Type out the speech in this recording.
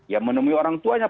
ya menemui orang tuanya